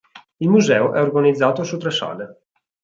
Il museo è organizzato su tre sale.